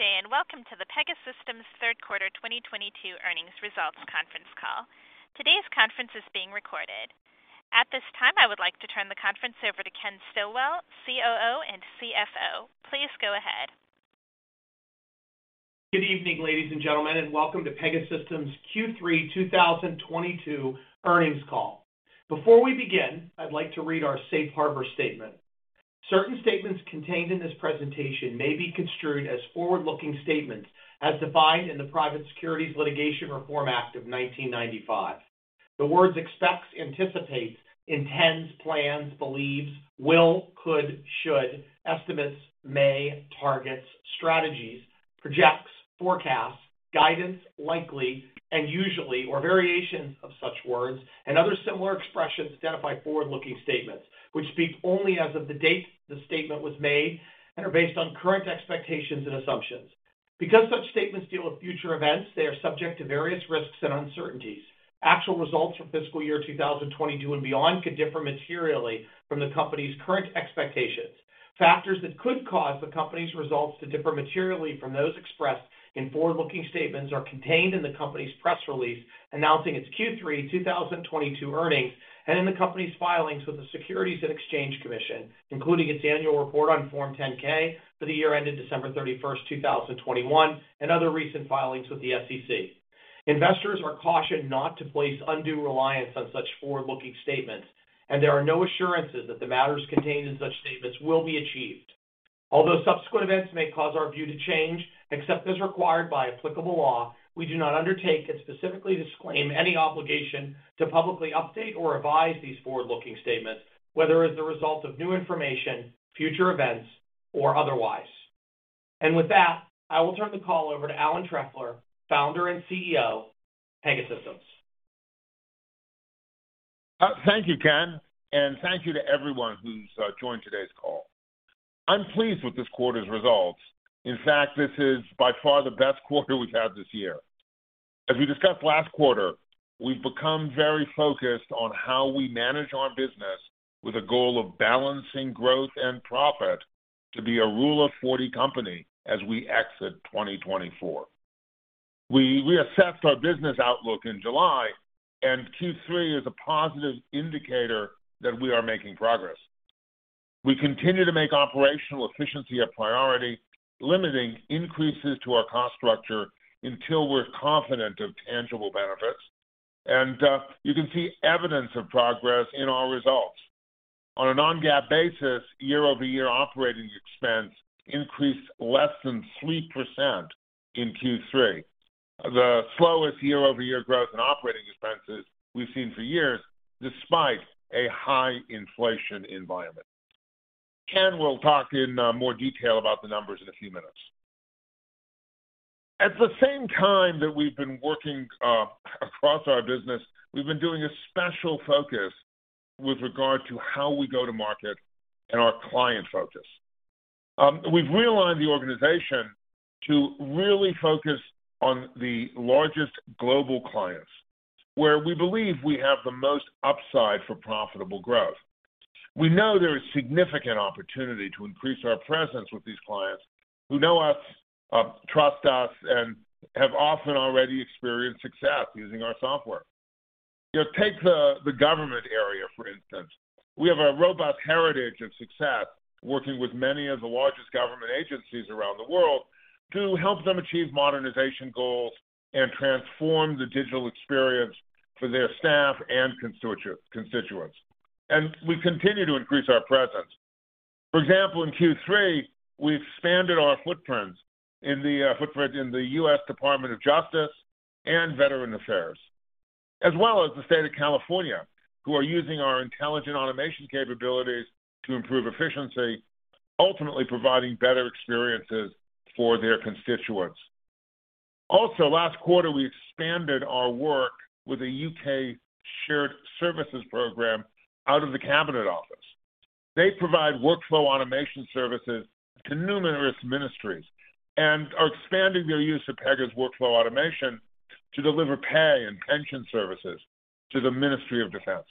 Good day, and welcome to the Pegasystems third quarter 2022 earnings results conference call. Today's conference is being recorded. At this time, I would like to turn the conference over to Ken Stillwell, COO and CFO. Please go ahead. Good evening, ladies and gentlemen, and welcome to Pegasystems Q3 2022 earnings call. Before we begin, I'd like to read our safe harbor statement. Certain statements contained in this presentation may be construed as forward-looking statements as defined in the Private Securities Litigation Reform Act of 1995. The words expects, anticipates, intends, plans, believes, will, could, should, estimates, may, targets, strategies, projects, forecasts, guidance, likely, and usually or variations of such words and other similar expressions identify forward-looking statements, which speak only as of the date the statement was made and are based on current expectations and assumptions. Because such statements deal with future events, they are subject to various risks and uncertainties. Actual results for fiscal year 2022 and beyond could differ materially from the company's current expectations. Factors that could cause the company's results to differ materially from those expressed in forward-looking statements are contained in the company's press release announcing its Q3 2022 earnings and in the company's filings with the Securities and Exchange Commission, including its annual report on Form 10-K for the year ended December 31st, 2021, and other recent filings with the SEC. Investors are cautioned not to place undue reliance on such forward-looking statements, and there are no assurances that the matters contained in such statements will be achieved. Although subsequent events may cause our view to change, except as required by applicable law, we do not undertake and specifically disclaim any obligation to publicly update or revise these forward-looking statements, whether as a result of new information, future events, or otherwise. With that, I will turn the call over to Alan Trefler, Founder and CEO, Pegasystems. Thank you, Ken, and thank you to everyone who's joined today's call. I'm pleased with this quarter's results. In fact, this is by far the best quarter we've had this year. As we discussed last quarter, we've become very focused on how we manage our business with a goal of balancing growth and profit to be a Rule of 40 company as we exit 2024. We assessed our business outlook in July, and Q3 is a positive indicator that we are making progress. We continue to make operational efficiency a priority, limiting increases to our cost structure until we're confident of tangible benefits. You can see evidence of progress in our results. On a non-GAAP basis, year-over-year operating expense increased less than 3% in Q3. The slowest year-over-year growth in operating expenses we've seen for years despite a high inflation environment. Ken will talk in more detail about the numbers in a few minutes. At the same time that we've been working across our business, we've been doing a special focus with regard to how we go to market and our client focus. We've realigned the organization to really focus on the largest global clients where we believe we have the most upside for profitable growth. We know there is significant opportunity to increase our presence with these clients who know us, trust us, and have often already experienced success using our software. You know, take the government area, for instance. We have a robust heritage of success working with many of the largest government agencies around the world to help them achieve modernization goals and transform the digital experience for their staff and constituents. We continue to increase our presence. For example, in Q3, we expanded our footprint in the U.S. Department of Justice and Veterans Affairs, as well as the state of California, who are using our intelligent automation capabilities to improve efficiency, ultimately providing better experiences for their constituents. Also, last quarter, we expanded our work with a U.K. shared services program out of the Cabinet Office. They provide workflow automation services to numerous ministries and are expanding their use of Pega's workflow automation to deliver pay and pension services to the Ministry of Defence.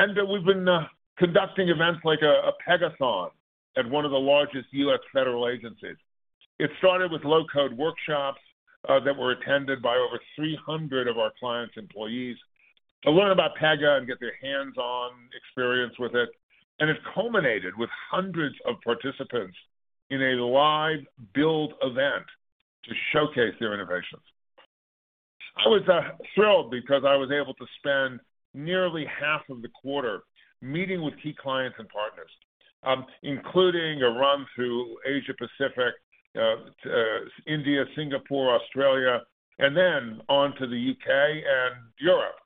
We've been conducting events like a Pegathon at one of the largest U.S. federal agencies. It started with low-code workshops that were attended by over 300 of our clients' employees to learn about Pega and get their hands-on experience with it. It culminated with hundreds of participants in a live build event to showcase their innovations. I was thrilled because I was able to spend nearly half of the quarter meeting with key clients and partners, including a run through Asia-Pacific, India, Singapore, Australia, and then on to the U.K. and Europe.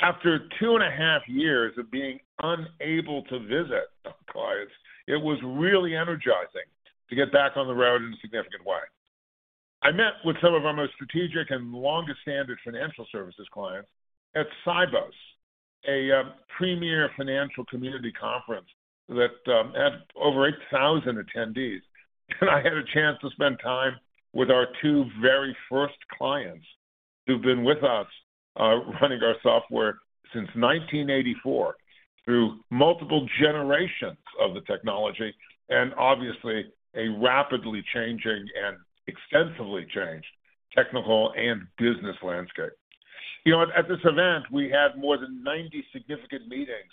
After two and a half years of being unable to visit our clients, it was really energizing to get back on the road in a significant way. I met with some of our most strategic and longest-standing financial services clients at Sibos, a premier financial community conference that had over 8,000 attendees. I had a chance to spend time with our two very first clients, who've been with us, running our software since 1984 through multiple generations of the technology, and obviously a rapidly changing and extensively changed technical and business landscape. You know, at this event, we had more than 90 significant meetings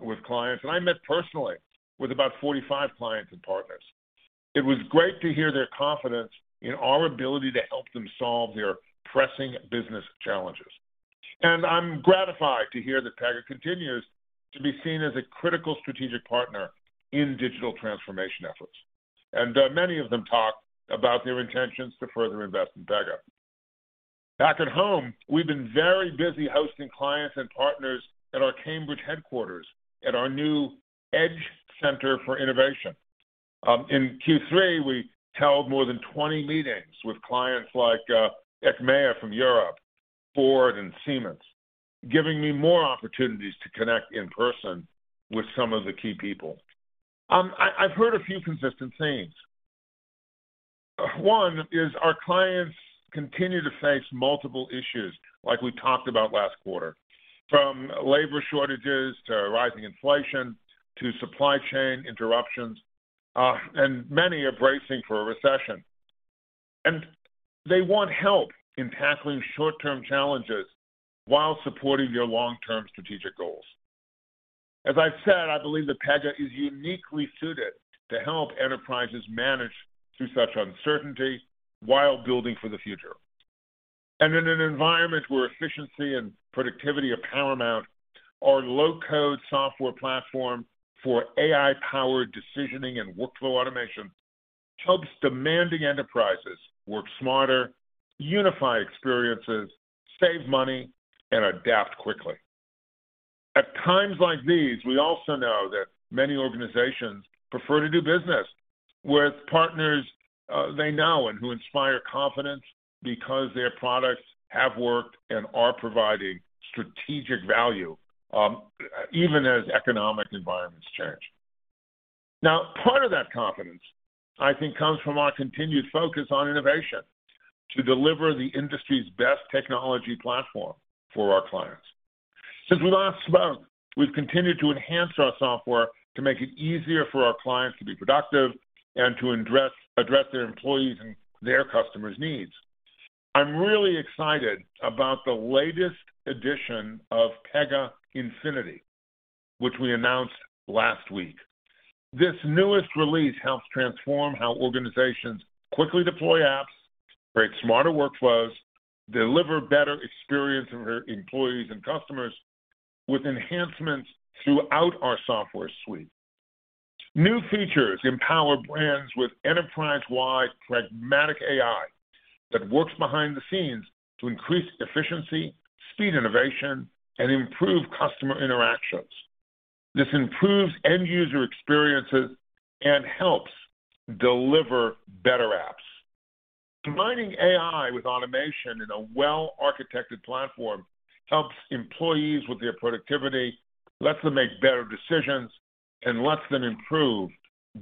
with clients, and I met personally with about 45 clients and partners. It was great to hear their confidence in our ability to help them solve their pressing business challenges. I'm gratified to hear that Pega continues to be seen as a critical strategic partner in digital transformation efforts. Many of them talked about their intentions to further invest in Pega. Back at home, we've been very busy hosting clients and partners at our Cambridge headquarters at our new Edge Center for Innovation. In Q3, we held more than 20 meetings with clients like ICMA from Europe, Ford, and Siemens, giving me more opportunities to connect in person with some of the key people. I've heard a few consistent themes. One is our clients continue to face multiple issues like we talked about last quarter, from labor shortages to rising inflation to supply chain interruptions, and many are bracing for a recession. They want help in tackling short-term challenges while supporting their long-term strategic goals. As I've said, I believe that Pega is uniquely suited to help enterprises manage through such uncertainty while building for the future. In an environment where efficiency and productivity are paramount, our low-code software platform for AI-powered decisioning and workflow automation helps demanding enterprises work smarter, unify experiences, save money, and adapt quickly. At times like these, we also know that many organizations prefer to do business with partners, they know and who inspire confidence because their products have worked and are providing strategic value, even as economic environments change. Now, part of that confidence, I think, comes from our continued focus on innovation to deliver the industry's best technology platform for our clients. Since last month, we've continued to enhance our software to make it easier for our clients to be productive and to address their employees' and their customers' needs. I'm really excited about the latest edition of Pega Infinity, which we announced last week. This newest release helps transform how organizations quickly deploy apps, create smarter workflows, deliver better experience for their employees and customers with enhancements throughout our software suite. New features empower brands with enterprise-wide pragmatic AI that works behind the scenes to increase efficiency, speed innovation, and improve customer interactions. This improves end user experiences and helps deliver better apps. Combining AI with automation in a well-architected platform helps employees with their productivity, lets them make better decisions, and lets them improve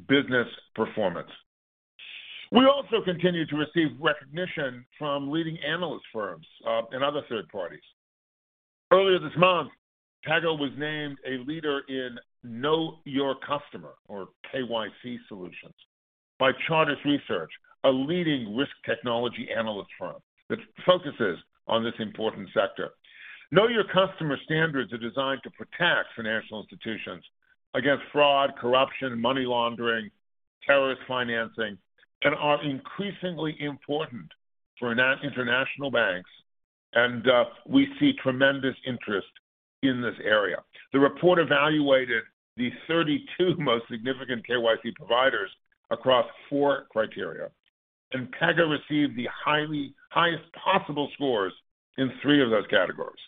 business performance. We also continue to receive recognition from leading analyst firms and other third parties. Earlier this month, Pega was named a leader in Know Your Customer or KYC solutions by Chartis Research, a leading risk technology analyst firm that focuses on this important sector. Know Your Customer standards are designed to protect financial institutions against fraud, corruption, money laundering, terrorist financing, and are increasingly important for international banks, and we see tremendous interest in this area. The report evaluated the 32 most significant KYC providers across four criteria, and Pega received the highest possible scores in three of those categories.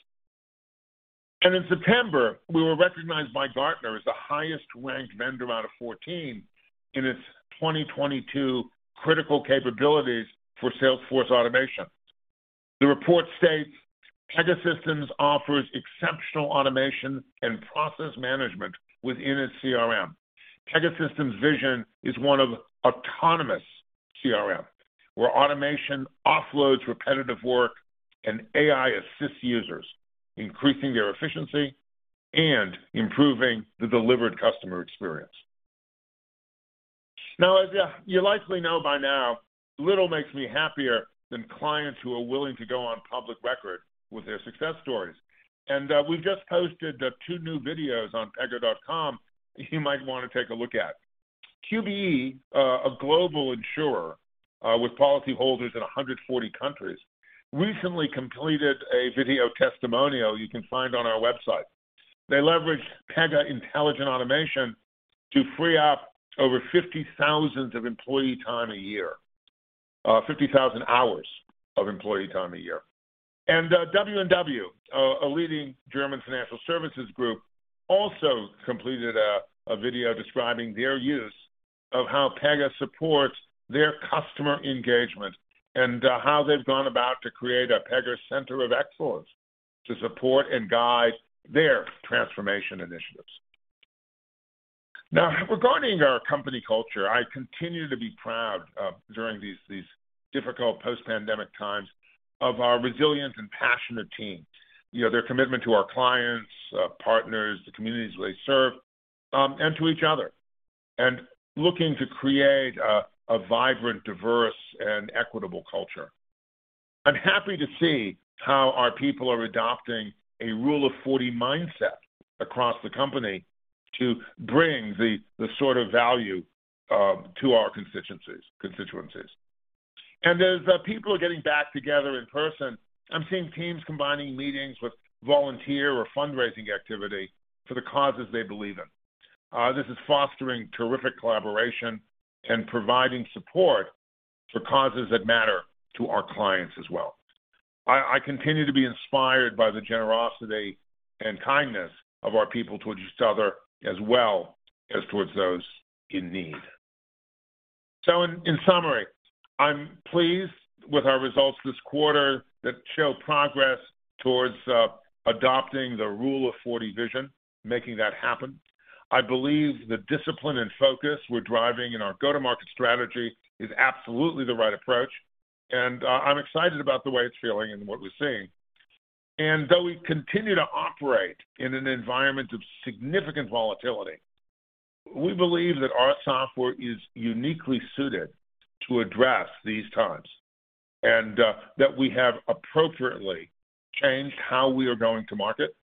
In September, we were recognized by Gartner as the highest-ranked vendor out of 14 in its 2022 critical capabilities for sales force automation. The report states, "Pegasystems offers exceptional automation and process management within its CRM. Pegasystems' vision is one of autonomous CRM, where automation offloads repetitive work and AI assists users, increasing their efficiency and improving the delivered customer experience." Now, as you likely know by now, little makes me happier than clients who are willing to go on public record with their success stories. We've just posted the two new videos on pega.com you might want to take a look at. QBE, a global insurer with policyholders in 140 countries, recently completed a video testimonial you can find on our website. They leveraged Pega Intelligent Automation to free up over 50,000 hours of employee time a year. W&W, a leading German financial services group, also completed a video describing their use of how Pega supports their customer engagement and how they've gone about to create a Pega center of excellence to support and guide their transformation initiatives. Now, regarding our company culture, I continue to be proud of during these difficult post-pandemic times of our resilient and passionate team. You know, their commitment to our clients, partners, the communities they serve, and to each other, and looking to create a vibrant, diverse, and equitable culture. I'm happy to see how our people are adopting a Rule of 40 mindset across the company to bring the sort of value to our constituencies. As people are getting back together in person, I'm seeing teams combining meetings with volunteer or fundraising activity for the causes they believe in. This is fostering terrific collaboration and providing support for causes that matter to our clients as well. I continue to be inspired by the generosity and kindness of our people towards each other as well as towards those in need. In summary, I'm pleased with our results this quarter that show progress towards adopting the Rule of 40 vision, making that happen. I believe the discipline and focus we're driving in our go-to-market strategy is absolutely the right approach, and I'm excited about the way it's feeling and what we're seeing. Though we continue to operate in an environment of significant volatility, we believe that our software is uniquely suited to address these times, and that we have appropriately changed how we are going to market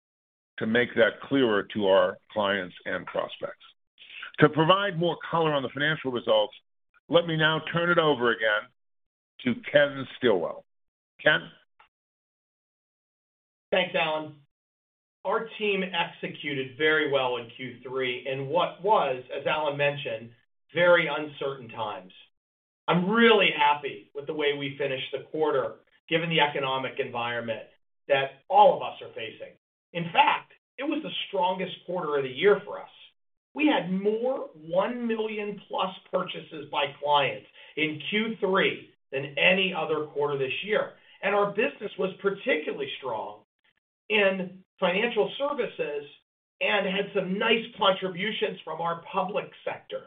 to make that clearer to our clients and prospects. To provide more color on the financial results, let me now turn it over again to Ken Stillwell. Ken. Thanks, Alan. Our team executed very well in Q3 in what was, as Alan mentioned, very uncertain times. I'm really happy with the way we finished the quarter given the economic environment that all of us are facing. In fact, it was the strongest quarter of the year for us. We had more 1+ million purchases by clients in Q3 than any other quarter this year, and our business was particularly strong in financial services and had some nice contributions from our public sector.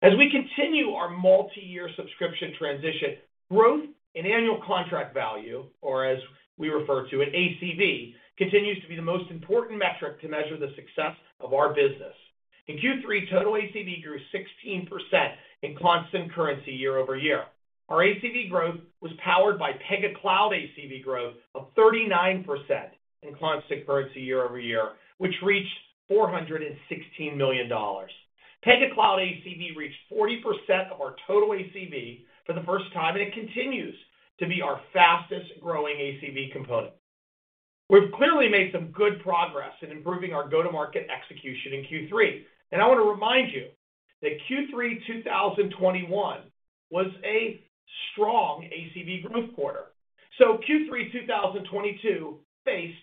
As we continue our multi-year subscription transition, growth in annual contract value, or as we refer to it, ACV, continues to be the most important metric to measure the success of our business. In Q3, total ACV grew 16% in constant currency year-over-year. Our ACV growth was powered by Pega Cloud ACV growth of 39% in constant currency year-over-year, which reached $416 million. Pega Cloud ACV reached 40% of our total ACV for the first time, and it continues to be our fastest-growing ACV component. We've clearly made some good progress in improving our go-to-market execution in Q3, and I want to remind you that Q3 2021 was a strong ACV growth quarter. Q3 2022 faced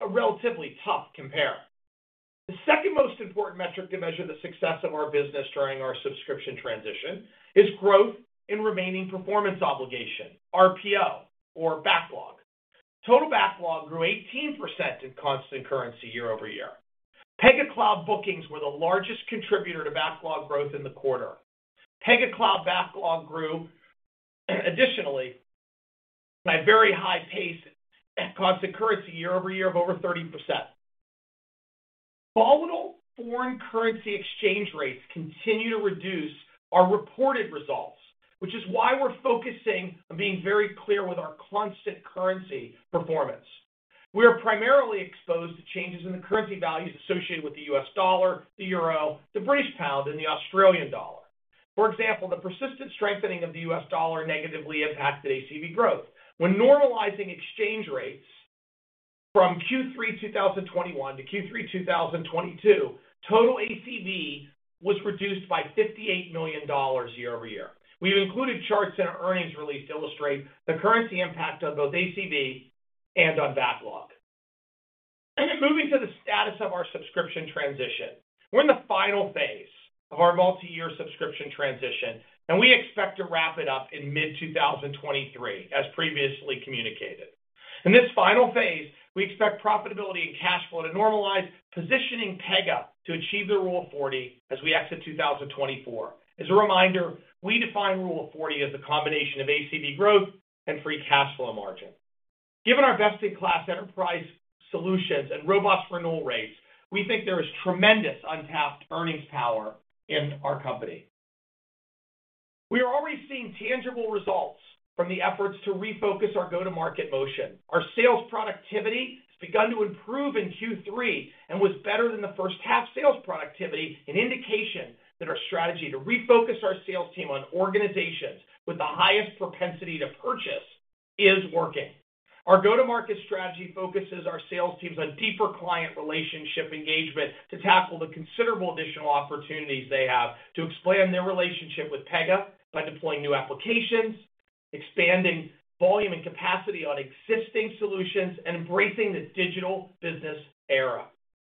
a relatively tough compare. The second most important metric to measure the success of our business during our subscription transition is growth in remaining performance obligation, RPO, or backlog. Total backlog grew 18% in constant currency year-over-year. Pega Cloud bookings were the largest contributor to backlog growth in the quarter. Pega Cloud backlog grew additionally by very high pace at constant-currency year-over-year of over 30%. Volatile foreign currency exchange rates continue to reduce our reported results, which is why we're focusing on being very clear with our constant-currency performance. We are primarily exposed to changes in the currency values associated with the U.S. dollar, the euro, the British pound, and the Australian dollar. For example, the persistent strengthening of the U.S. dollar negatively impacted ACV growth. When normalizing exchange rates from Q3 2021 to Q3 2022, total ACV was reduced by $58 million year-over-year. We've included charts in our earnings release to illustrate the currency impact on both ACV and on backlog. Moving to the status of our subscription transition. We're in the final phase of our multi-year subscription transition, and we expect to wrap it up in mid-2023, as previously communicated. In this final phase, we expect profitability and cash flow to normalize, positioning Pega to achieve the Rule of 40 as we exit 2024. As a reminder, we define Rule of 40 as a combination of ACV growth and free cash flow margin. Given our best-in-class enterprise solutions and robust renewal rates, we think there is tremendous untapped earnings power in our company. We are already seeing tangible results from the efforts to refocus our go-to-market motion. Our sales productivity has begun to improve in Q3 and was better than the first half sales productivity, an indication that our strategy to refocus our sales team on organizations with the highest propensity to purchase is working. Our go-to-market strategy focuses our sales teams on deeper client relationship engagement to tackle the considerable additional opportunities they have to expand their relationship with Pega by deploying new applications, expanding volume and capacity on existing solutions, and embracing the digital business era.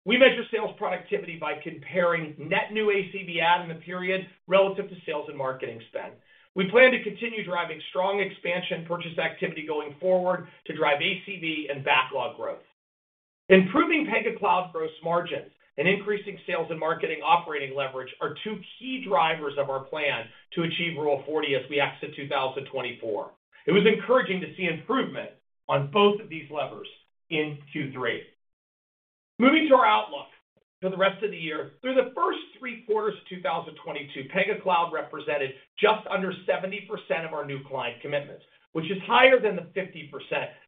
We measure sales productivity by comparing net new ACV add in the period relative to sales and marketing spend. We plan to continue driving strong expansion purchase activity going forward to drive ACV and backlog growth. Improving Pega Cloud gross margin and increasing sales and marketing operating leverage are two key drivers of our plan to achieve Rule of 40 as we exit 2024. It was encouraging to see improvement on both of these levers in Q3. Moving to our outlook for the rest of the year. Through the first three quarters of 2022, Pega Cloud represented just under 70% of our new client commitments, which is higher than the 50%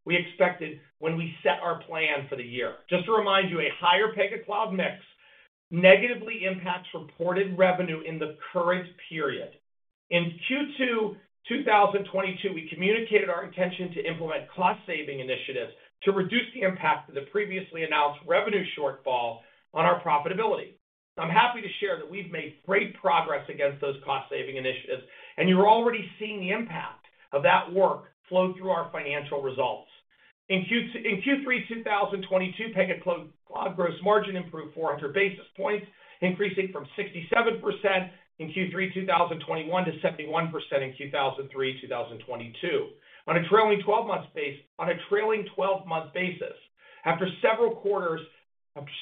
we expected when we set our plan for the year. Just to remind you, a higher Pega Cloud mix negatively impacts reported revenue in the current period. In Q2 2022, we communicated our intention to implement cost saving initiatives to reduce the impact of the previously announced revenue shortfall on our profitability. I'm happy to share that we've made great progress against those cost saving initiatives, and you're already seeing the impact of that work flow through our financial results. In Q3 2022, Pega Cloud gross margin improved 400 basis points, increasing from 67% in Q3 2021 to 71% in Q3 2022. On a trailing 12-month basis, after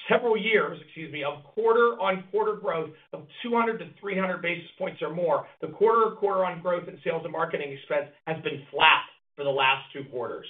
several years, excuse me, of quarter-on-quarter growth of 200 basis points-300 basis points or more, the quarter-on-quarter growth in sales and marketing expense has been flat for the last two quarters.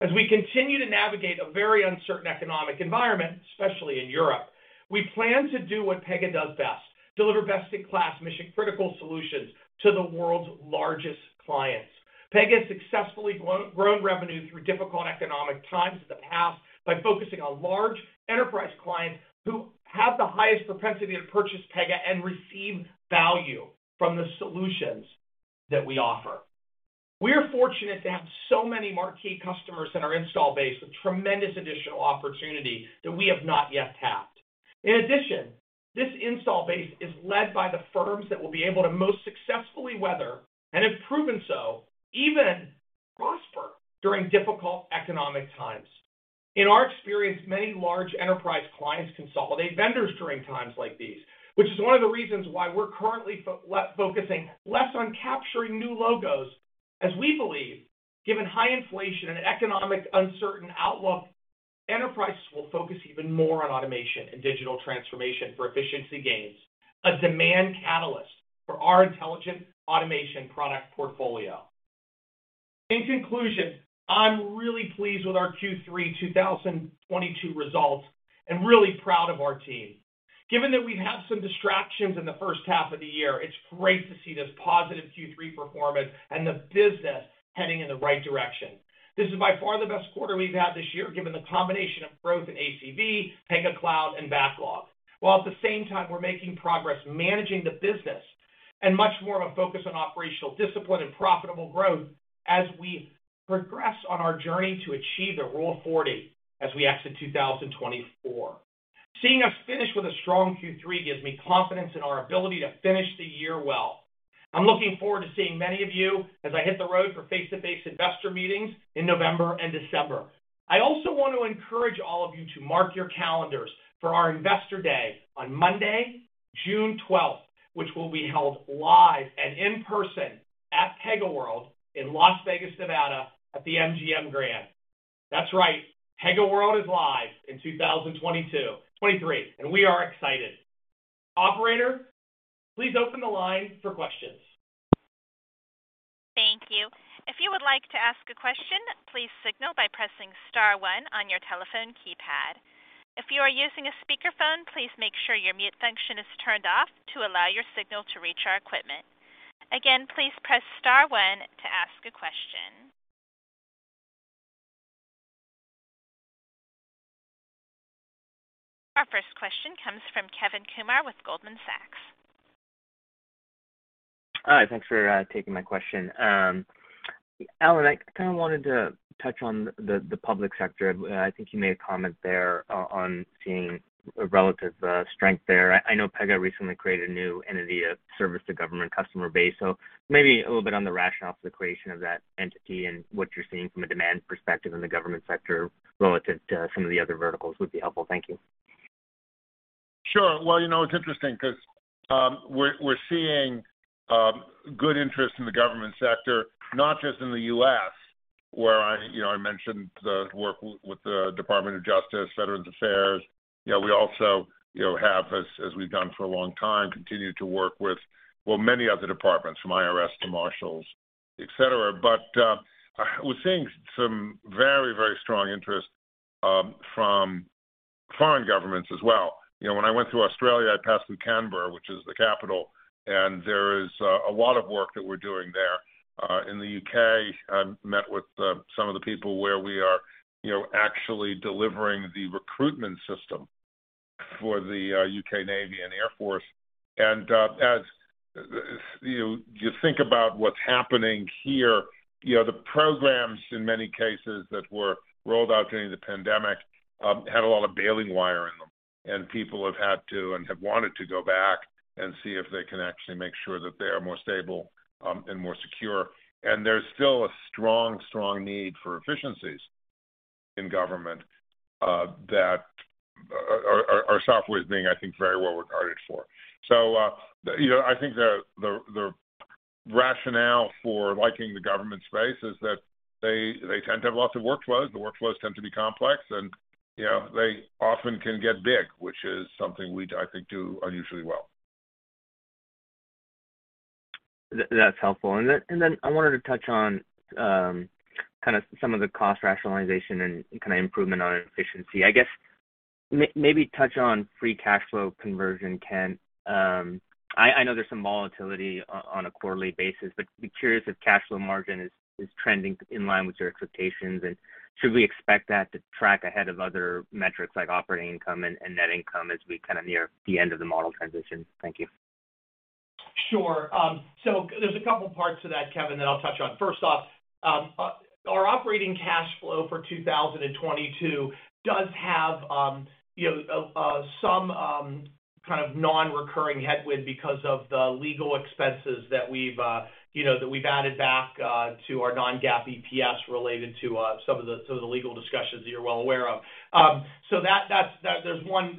As we continue to navigate a very uncertain economic environment, especially in Europe, we plan to do what Pega does best, deliver best-in-class mission-critical solutions to the world's largest clients. Pega has successfully grown revenue through difficult economic times in the past by focusing on large enterprise clients who have the highest propensity to purchase Pega and receive value from the solutions that we offer. We are fortunate to have so many marquee customers in our installed base with tremendous additional opportunity that we have not yet tapped. In addition, this installed base is led by the firms that will be able to most successfully weather, and have proven so, even prosper during difficult economic times. In our experience, many large enterprise clients consolidate vendors during times like these, which is one of the reasons why we're currently focusing less on capturing new logos, as we believe, given high inflation and uncertain economic outlook, enterprises will focus even more on automation and digital transformation for efficiency gains, a demand catalyst for our intelligent automation product portfolio. In conclusion, I'm really pleased with our Q3 2022 results and really proud of our team. Given that we had some distractions in the first half of the year, it's great to see this positive Q3 performance and the business heading in the right direction. This is by far the best quarter we've had this year, given the combination of growth in ACV, Pega Cloud, and backlog. While at the same time, we're making progress managing the business and much more of a focus on operational discipline and profitable growth as we progress on our journey to achieve the Rule of 40 as we exit 2024. Seeing us finish with a strong Q3 gives me confidence in our ability to finish the year well. I'm looking forward to seeing many of you as I hit the road for face-to-face investor meetings in November and December. I also want to encourage all of you to mark your calendars for our Investor Day on Monday, June 12th, which will be held live and in person at PegaWorld in Las Vegas, Nevada, at the MGM Grand. That's right, PegaWorld is live in 2023, and we are excited. Operator, please open the line for questions. Thank you. If you would like to ask a question, please signal by pressing star one on your telephone keypad. If you are using a speakerphone, please make sure your mute function is turned off to allow your signal to reach our equipment. Again, please press star one to ask a question. Our first question comes from Kevin Kumar with Goldman Sachs. Thanks for taking my question. Alan, I kinda wanted to touch on the public sector. I think you made a comment there on seeing a relative strength there. I know Pega recently created a new entity to service government customer base. Maybe a little bit on the rationale for the creation of that entity and what you're seeing from a demand perspective in the government sector relative to some of the other verticals would be helpful. Thank you. Sure. Well, you know, it's interesting 'cause we're seeing good interest in the government sector, not just in the U.S., where I, you know, I mentioned the work with the U.S. Department of Justice, U.S. Department of Veterans Affairs. You know, we also, you know, have, as we've done for a long time, continue to work with, well, many other departments, from IRS to Marshals, et cetera. We're seeing some very strong interest from foreign governments as well. You know, when I went to Australia, I passed through Canberra, which is the capital, and there is a lot of work that we're doing there. In the U.K., I met with some of the people where we are, you know, actually delivering the recruitment system for the U.K. Navy and U.K. Air Force. you think about what's happening here, you know, the programs in many cases that were rolled out during the pandemic had a lot of baling wire in them, and people have had to and have wanted to go back and see if they can actually make sure that they are more stable and more secure. There's still a strong need for efficiencies in government that our software is being, I think, very well regarded for. You know, I think the rationale for liking the government space is that they tend to have lots of workflows. The workflows tend to be complex and, you know, they often can get big, which is something we, I think, do unusually well. That's helpful. Then I wanted to touch on kind of some of the cost rationalization and kind of improvement on efficiency. I guess maybe touch on free cash flow conversion, Ken. I know there's some volatility on a quarterly basis, but I'm curious if cash flow margin is trending in line with your expectations. Should we expect that to track ahead of other metrics like operating income and net income as we kind of near the end of the model transition? Thank you. Sure. There's a couple parts to that, Kevin, that I'll touch on. First off, our operating cash flow for 2022 does have, you know, some kind of non-recurring headwind because of the legal expenses that we've, you know, that we've added back to our non-GAAP EPS related to some of the legal discussions that you're well aware of. That's one.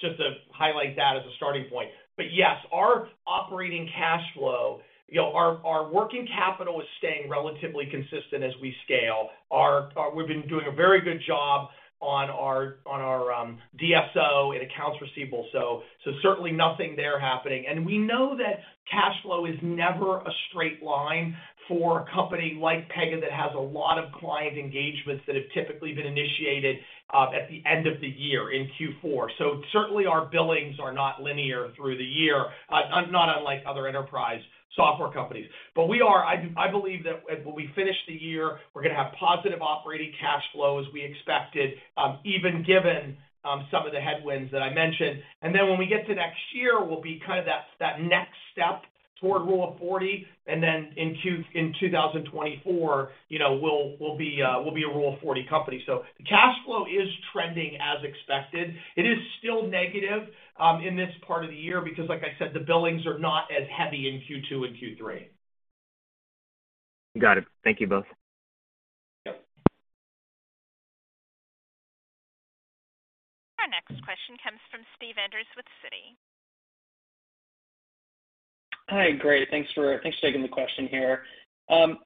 Just to highlight that as a starting point. Yes, our operating cash flow, you know, our working capital is staying relatively consistent as we scale. We've been doing a very good job on our DSO and accounts receivable, so certainly nothing there happening. We know that cash flow is never a straight line for a company like Pega that has a lot of client engagements that have typically been initiated at the end of the year in Q4. Certainly our billings are not linear through the year, not unlike other enterprise software companies. I believe that when we finish the year, we're gonna have positive operating cash flow as we expected, even given some of the headwinds that I mentioned. When we get to next year, we'll be kind of that next step toward Rule of 40, and then in 2024, you know, we'll be a Rule of 40 company. The cash flow is trending as expected. It is still negative in this part of the year because like I said, the billings are not as heavy in Q2 and Q3. Got it. Thank you both. Yep. Our next question comes from Steve Enders with Citi. Hi. Great. Thanks for taking the question here. I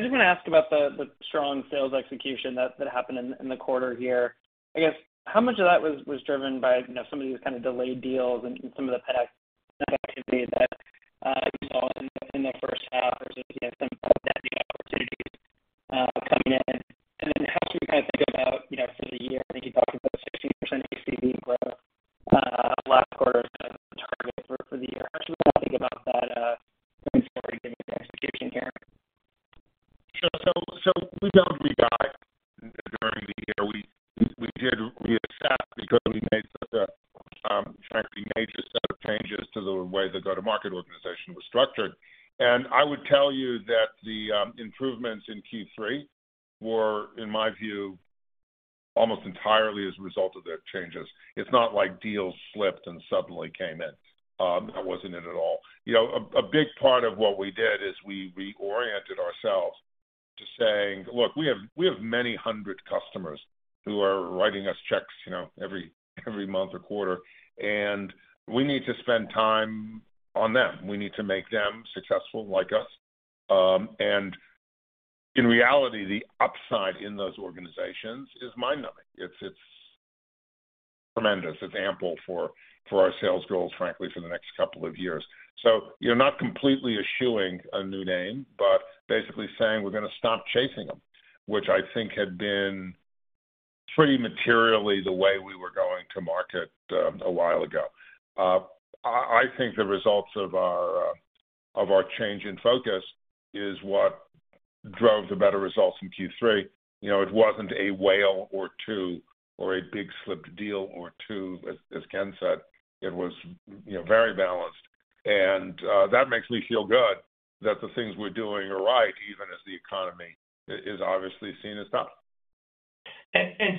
just wanna ask about the strong sales execution that happened in the quarter here. I guess how much of that was driven by, you know, some of these kind of delayed deals and some of the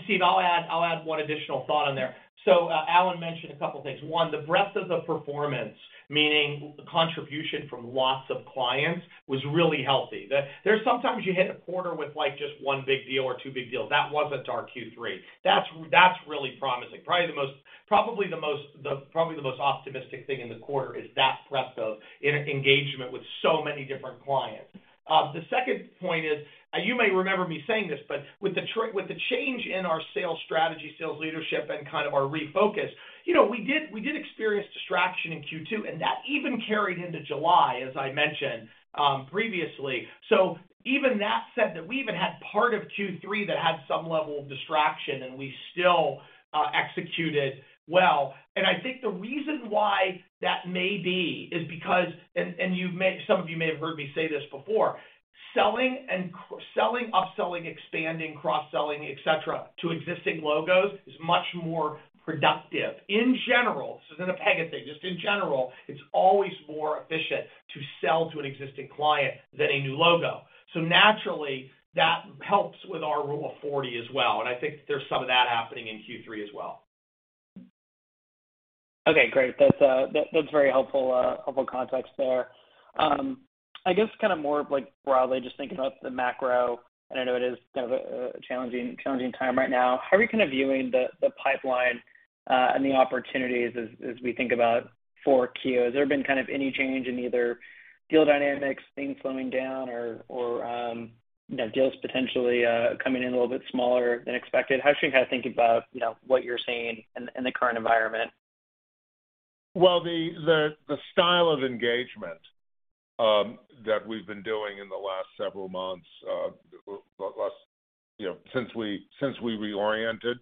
Steve, I'll add one additional thought on there. Alan mentioned a couple things. One, the breadth of the performance, meaning contribution from lots of clients was really healthy. There's sometimes you hit a quarter with like just one big deal or two big deals. That wasn't our Q3. That's really promising. Probably the most optimistic thing in the quarter is that breadth of engagement with so many different clients. The second point is, you may remember me saying this, but with the change in our sales strategy, sales leadership, and kind of our refocus, you know, we did experience distraction in Q2, and that even carried into July, as I mentioned, previously. Even that said, that we even had part of Q3 that had some level of distraction and we still executed well. I think the reason why that may be is because, and some of you may have heard me say this before, selling, upselling, expanding, cross-selling, etc., to existing logos is much more productive. In general, this isn't a Pega thing, just in general, it's always more efficient to sell to an existing client than a new logo. Naturally, that helps with our Rule of 40 as well, and I think there's some of that happening in Q3 as well. Okay, great. That's very helpful context there. I guess kind of more of like broadly just thinking about the macro, and I know it is kind of a challenging time right now. How are you kind of viewing the pipeline and the opportunities as we think about for Q4? Has there been kind of any change in either deal dynamics, things slowing down or you know, deals potentially coming in a little bit smaller than expected? How should we kinda think about you know, what you're seeing in the current environment? Well, the style of engagement that we've been doing in the last several months, well last, you know, since we reoriented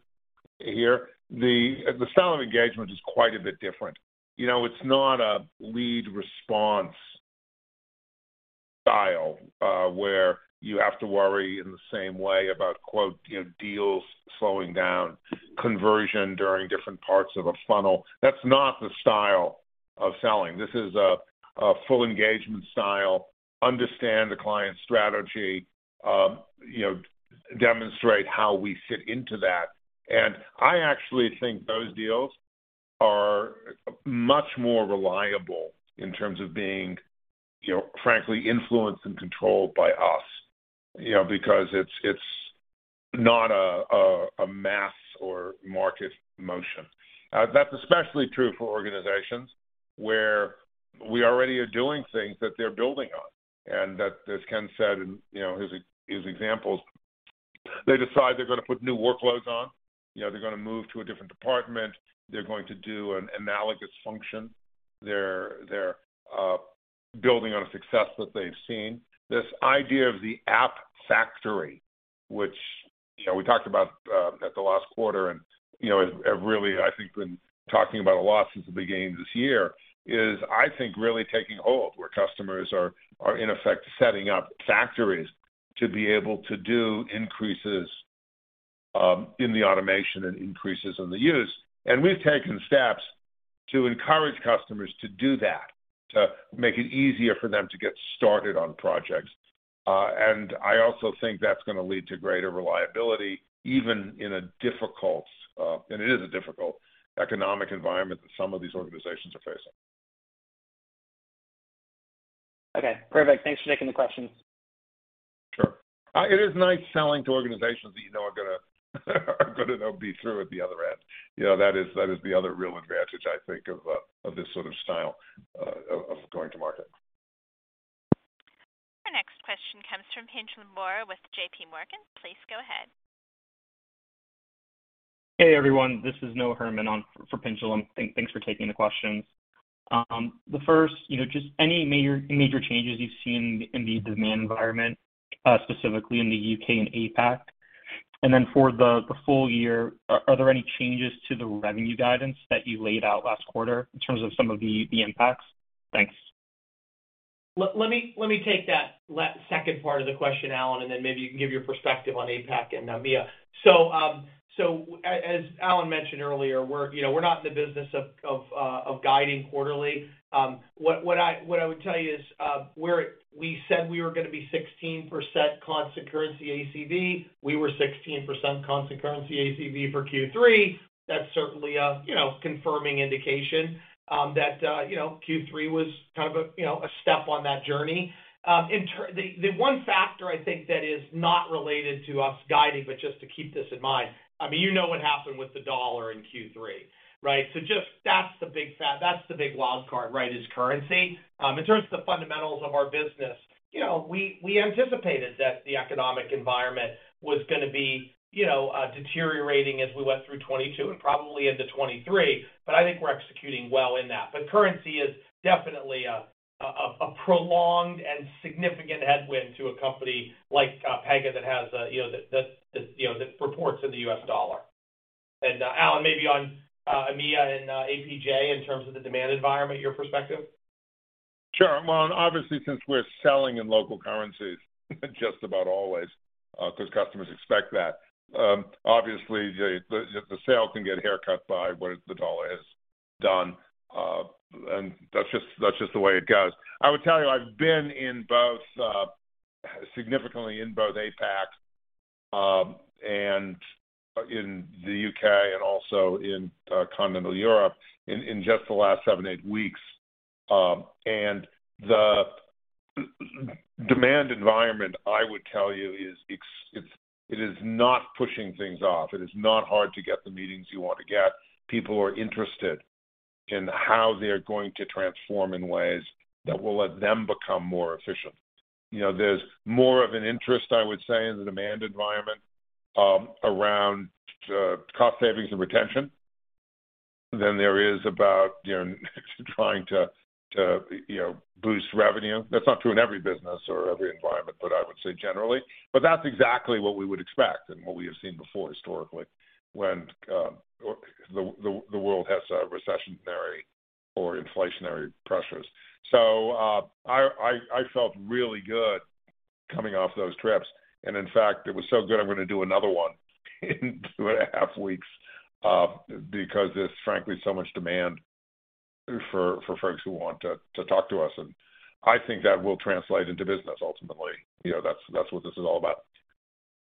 here, the style of engagement is quite a bit different. You know, it's not a lead response style, where you have to worry in the same way about quote, you know, deals slowing down, conversion during different parts of a funnel. That's not the style of selling. This is a full engagement style, understand the client's strategy, you know, demonstrate how we fit into that. I actually think those deals are much more reliable in terms of being, you know, frankly influenced and controlled by us, you know, because it's not a mass or market motion. That's especially true for organizations where we already are doing things that they're building on, and that, as Ken said in, you know, his examples, they decide they're gonna put new workloads on, you know, they're gonna move to a different department, they're going to do an analogous function. They're building on a success that they've seen. This idea of the App Factory, which, you know, we talked about at the last quarter and, you know, have really, I think, been talking about a lot since the beginning of this year, is I think really taking hold where customers are in effect setting up factories to be able to do increases in the automation and increases in the use. We've taken steps to encourage customers to do that, to make it easier for them to get started on projects. I also think that's gonna lead to greater reliability even in a difficult, and it is a difficult, economic environment that some of these organizations are facing. Okay. Perfect. Thanks for taking the question. Sure. It is nice selling to organizations that you know are gonna, you know, be through at the other end. You know, that is the other real advantage I think of this sort of style of going to market. Our next question comes from Pinjalim Bora with JPMorgan. Please go ahead. Hey, everyone. This is Noah Herman on for Pinjalim Bora. Thanks for taking the questions. The first, you know, just any major changes you've seen in the demand environment, specifically in the U.K. and APAC? For the full year, are there any changes to the revenue guidance that you laid out last quarter in terms of some of the impacts? Thanks. Let me take that second part of the question, Alan, and then maybe you can give your perspective on APAC and EMEA. As Alan mentioned earlier, we're, you know, we're not in the business of guiding quarterly. What I would tell you is, we said we were gonna be 16% constant currency ACV. We were 16% constant currency ACV for Q3. That's certainly a you know confirming indication that you know Q3 was kind of a you know a step on that journey. The one factor I think that is not related to us guiding, but just to keep this in mind, I mean, you know what happened with the dollar in Q3, right? That's the big wildcard, right, is currency. In terms of the fundamentals of our business, you know, we anticipated that the economic environment was gonna be, you know, deteriorating as we went through 2022 and probably into 2023, but I think we're executing well in that. Currency is definitely a prolonged and significant headwind to a company like Pega that has, you know, that reports in the U.S. dollar. Alan, maybe on EMEA and APJ in terms of the demand environment, your perspective. Sure. Well, obviously, since we're selling in local currencies just about always, because customers expect that, obviously the sale can get haircut by what the dollar has done, and that's just the way it goes. I would tell you I've been in both, significantly in both APAC, and in the U.K. and also in continental Europe in just the last seven weeks-eight weeks. The demand environment, I would tell you, is not pushing things off. It is not hard to get the meetings you want to get. People are interested in how they're going to transform in ways that will let them become more efficient. You know, there's more of an interest, I would say, in the demand environment, around cost savings and retention than there is about, you know, trying to you know, boost revenue. That's not true in every business or every environment, but I would say generally. That's exactly what we would expect and what we have seen before historically when the world has recessionary or inflationary pressures. I felt really good coming off those trips. In fact, it was so good, I'm gonna do another one in two and a half weeks, because there's frankly so much demand for folks who want to talk to us, and I think that will translate into business ultimately. You know, that's what this is all about.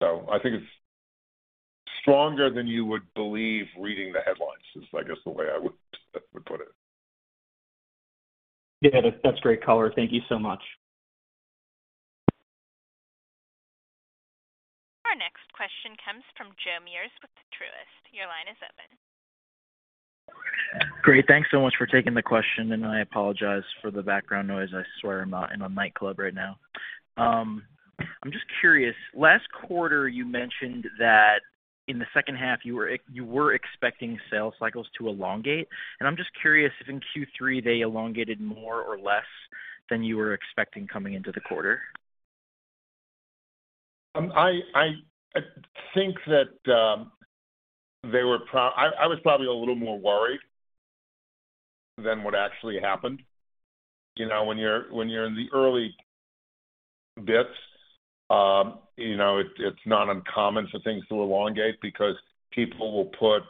I think it's stronger than you would believe reading the headlines is, I guess, the way I would put it. Yeah. That's great color. Thank you so much. Our next question comes from Joe Meares with Truist. Your line is open. Great. Thanks so much for taking the question, and I apologize for the background noise. I swear I'm not in a nightclub right now. I'm just curious. Last quarter you mentioned that in the second half you were expecting sales cycles to elongate, and I'm just curious if in Q3 they elongated more or less than you were expecting coming into the quarter? I think that I was probably a little more worried than what actually happened. You know, when you're in the early bits, you know, it's not uncommon for things to elongate because people will put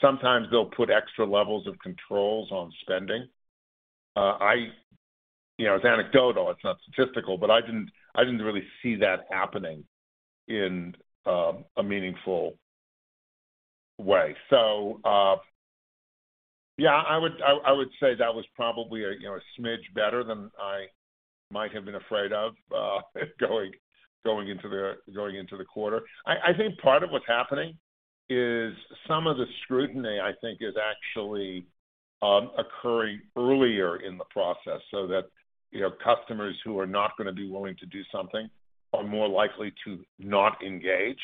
sometimes they'll put extra levels of controls on spending. You know, it's anecdotal, it's not statistical, but I didn't really see that happening in a meaningful way. Yeah, I would say that was probably a you know, a smidge better than I might have been afraid of, going into the quarter. I think part of what's happening is some of the scrutiny, I think, is actually occurring earlier in the process so that, you know, customers who are not gonna be willing to do something are more likely to not engage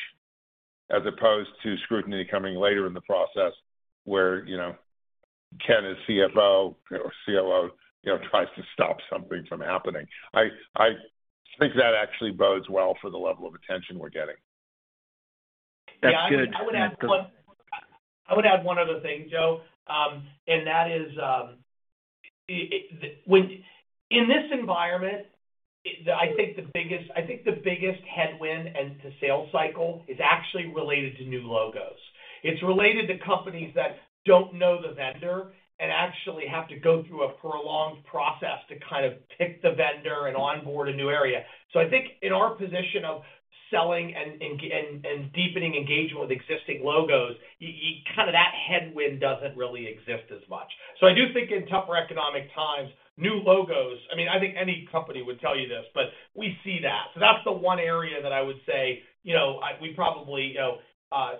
as opposed to scrutiny coming later in the process where, you know, Ken as CFO or COO, you know, tries to stop something from happening. I think that actually bodes well for the level of attention we're getting. That's good. Yeah. I would add one other thing, Joe, and that is, In this environment, the biggest headwind as to sales cycle is actually related to new logos. It's related to companies that don't know the vendor and actually have to go through a prolonged process to kind of pick the vendor and onboard a new area. So I think in our position of selling and deepening engagement with existing logos, kind of that headwind doesn't really exist as much. So I do think in tougher economic times, new logos, I mean, I think any company would tell you this, but we see that. That's the one area that I would say, you know, we probably,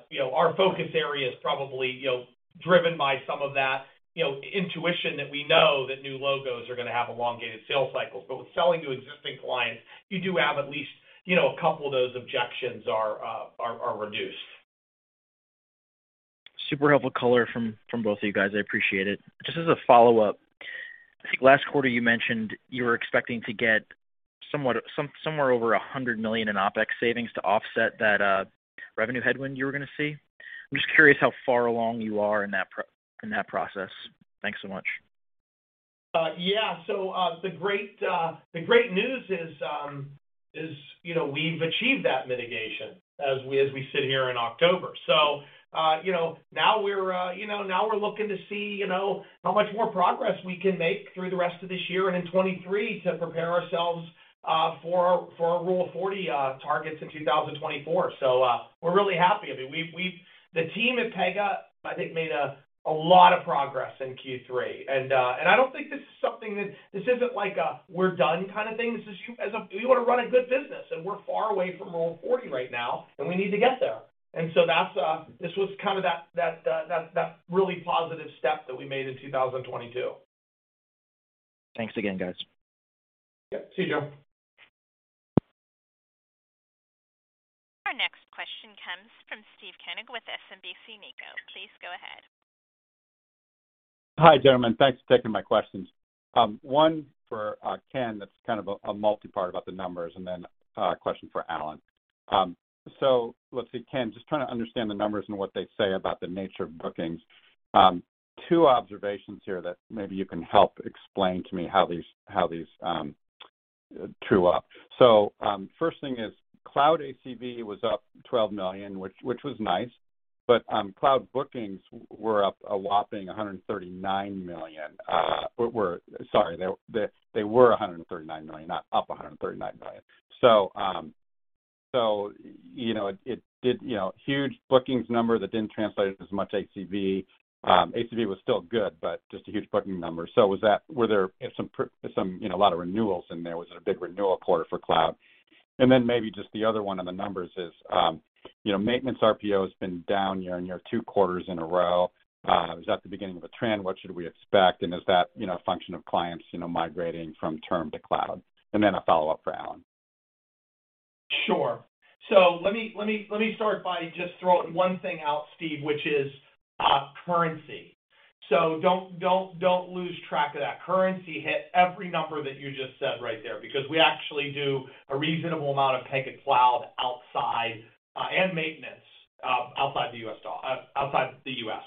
you know, our focus area is probably, you know, driven by some of that, you know, intuition that we know that new logos are gonna have elongated sales cycles. With selling to existing clients, you do have at least, you know, a couple of those objections are reduced. Super helpful color from both of you guys. I appreciate it. Just as a follow-up, I think last quarter you mentioned you were expecting to get somewhere over $100 million in OpEx savings to offset that revenue headwind you were gonna see. I'm just curious how far along you are in that process. Thanks so much. Yeah. The great news is, you know, we've achieved that mitigation as we sit here in October. Now we're looking to see, you know, how much more progress we can make through the rest of this year and in 2023 to prepare ourselves for our Rule of 40 targets in 2024. We're really happy. I mean, we've. The team at Pega, I think, made a lot of progress in Q3. I don't think this is something that. This isn't like a we're done kind of thing. We want to run a good business, and we're far away from Rule of 40 right now, and we need to get there. This was kind of that really positive step that we made in 2022. Thanks again, guys. Yeah. See you, Joe. Our next question comes from Steve Koenig with SMBC Nikko. Please go ahead. Hi, gentlemen. Thanks for taking my questions. One for Ken, that's kind of a multipart about the numbers, and then a question for Alan. Let's see, Ken, just trying to understand the numbers and what they say about the nature of bookings. Two observations here that maybe you can help explain to me how these true up. First thing is cloud ACV was up $12 million, which was nice, but cloud bookings were up a whopping $139 million. Sorry, they were $139 million, not up $139 million. You know, it did, you know, huge bookings number that didn't translate as much ACV. ACV was still good, but just a huge booking number. Was that... Were there some, you know, a lot of renewals in there? Was it a big renewal quarter for cloud? And then maybe just the other one on the numbers is, you know, maintenance RPO has been down year-over-year two quarters in a row. Is that the beginning of a trend? What should we expect? And is that, you know, a function of clients, you know, migrating from term to cloud? And then a follow-up for Alan. Sure. Let me start by just throwing one thing out, Steve, which is currency. Don't lose track of that. Currency hit every number that you just said right there, because we actually do a reasonable amount of Pega Cloud outside and maintenance outside the U.S..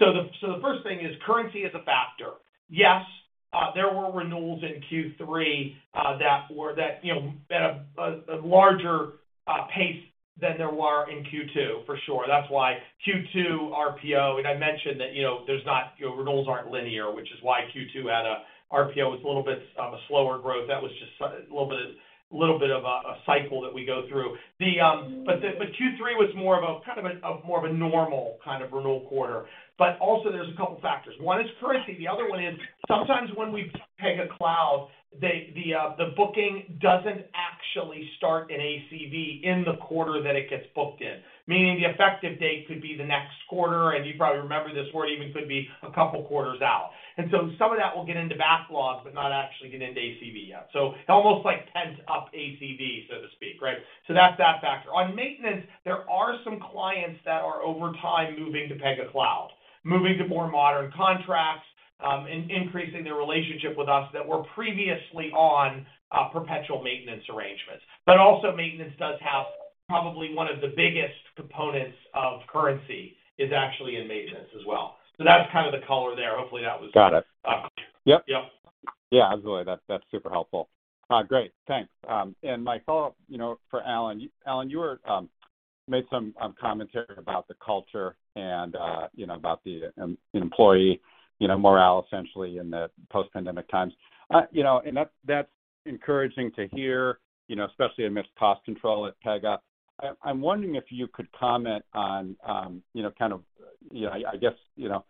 The first thing is currency is a factor. Yes, there were renewals in Q3 that were you know at a larger pace than there were in Q2, for sure. That's why Q2 RPO and I mentioned that you know renewals aren't linear, which is why Q2 had a RPO with a little bit of a slower growth. That was just a little bit of a cycle that we go through. Q3 was more of a normal kind of renewal quarter. Also, there are a couple factors. One is currency, the other one is sometimes when we Pega Cloud, the booking doesn't actually start an ACV in the quarter that it gets booked in. Meaning the effective date could be the next quarter, and you probably remember this, where it even could be a couple quarters out. Some of that will get into backlogs, but not actually get into ACV yet. So it almost like tends up ACV, so to speak, right? That's that factor. On maintenance, there are some clients that are over time moving to Pega Cloud, moving to more modern contracts, increasing their relationship with us that were previously on perpetual maintenance arrangements. Also maintenance does have probably one of the biggest components of currency is actually in maintenance as well. That's kind of the color there. Hopefully that was. Got it. Uh. Yep. Yep. Yeah, absolutely. That's super helpful. Great. Thanks. My follow-up, you know, for Alan. Alan, you made some commentary about the culture and, you know, about the employee, you know, morale essentially in the post-pandemic times. You know, that's encouraging to hear, you know, especially amidst cost control at Pega. I'm wondering if you could comment on, you know, kind of, you know, I guess, you know,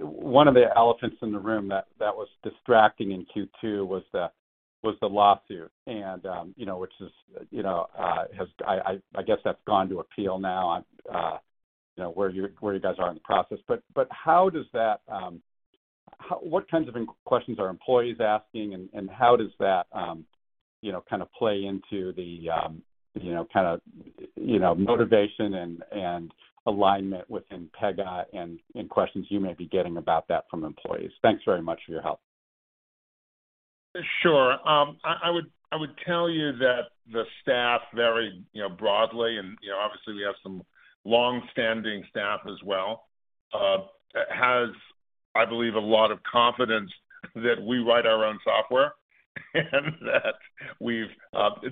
one of the elephants in the room that was distracting in Q2 was the lawsuit and, you know, which has gone to appeal now. I'm, you know, where you guys are in the process. How does that, how... What kinds of inquiries are employees asking, and how does that, you know, kind of play into the, you know, kind of, you know, motivation and alignment within Pega and any questions you may be getting about that from employees? Thanks very much for your help. Sure. I would tell you that the staff very, you know, broadly and, you know, obviously we have some long-standing staff as well, has, I believe, a lot of confidence that we write our own software, and that we've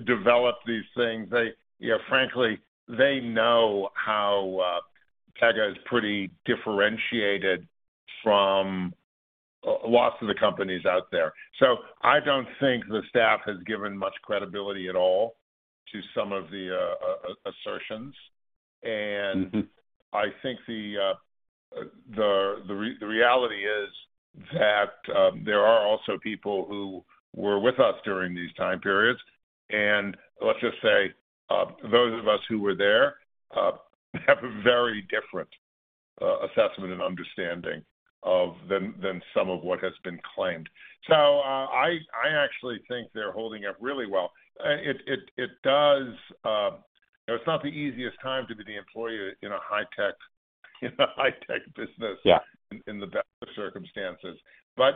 developed these things. They, you know, frankly, know how Pega is pretty differentiated from lots of the companies out there. So I don't think the staff has given much credibility at all to some of the assertions. Mm-hmm. I think the reality is that there are also people who were with us during these time periods, and let's just say those of us who were there have a very different assessment and understanding than some of what has been claimed. I actually think they're holding up really well. It does, you know, it's not the easiest time to be the employee in a high tech, you know, high tech business. Yeah In the best of circumstances,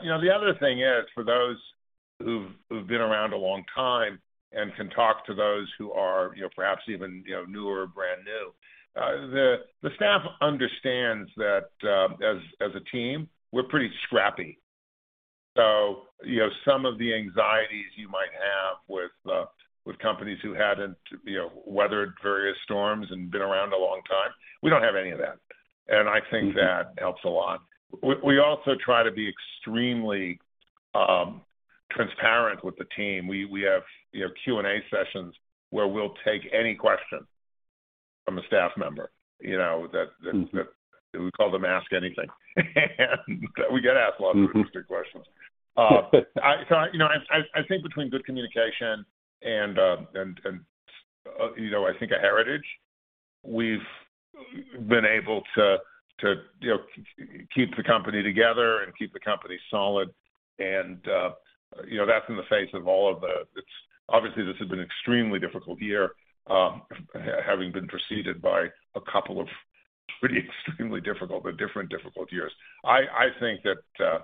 you know, the other thing is for those who've been around a long time and can talk to those who are, you know, perhaps even, you know, new or brand new, the staff understands that, as a team, we're pretty scrappy. You know, some of the anxieties you might have with companies who hadn't, you know, weathered various storms and been around a long time, we don't have any of that. Mm-hmm. I think that helps a lot. We also try to be extremely transparent with the team. We have, you know, Q&A sessions where we'll take any question from a staff member, you know. Mm-hmm That we call them Ask Anything. We get asked a lot of interesting questions. Mm-hmm. I think between good communication and a heritage, we've been able to keep the company together and keep the company solid, you know, that's in the face of all of the. It's obviously this has been extremely difficult year, having been preceded by a couple of pretty extremely difficult but different difficult years. I think that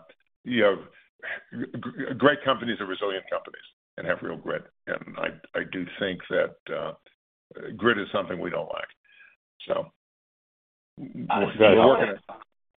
great companies are resilient companies and have real grit, and I do think that grit is something we don't lack. That's good. I'm gonna-